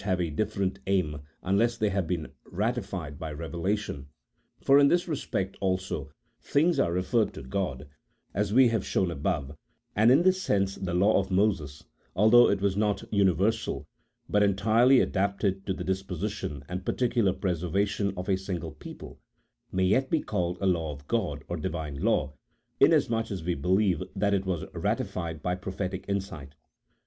61 have a different aim unless they have "been ratified by revelation, for in this respect also things are referred to God (as we have shown above) and in this sense the law of Moses, although it was not universal, but entirely adapted to the disposition and particular preservation of a single people, may yet be called a law of God or Divine law, inas much as we believe that it was ratified by prophetic insight.